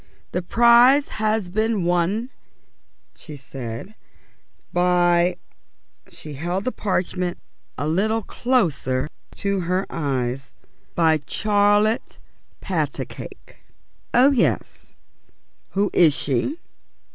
"The prize has been won," she said, "by " she held the parchment a little closer to her eyes, "by Charlotte Patacake." "Oh, yes. Who is she?"